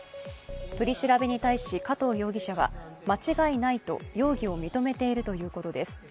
取り調べに対し加藤容疑者は間違いないと容疑を認めているということです。